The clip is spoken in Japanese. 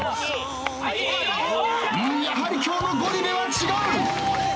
やはり今日のゴリ部は違う！